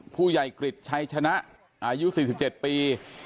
ผู้ใหญ่กริจชัยชนะอายุ๔๗ปี